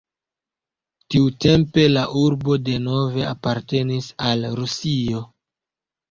Tiutempe la urbo denove apartenis al Rusio.